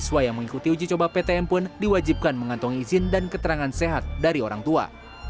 siswa yang mengikuti uji coba ptm pun diwajibkan mengantongi izin dan keterangan sehat dari orang tua